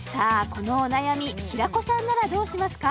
このお悩み平子さんならどうしますか？